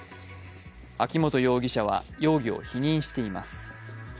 秋本容疑者は容疑を否認しています。